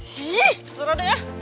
sih seronok ya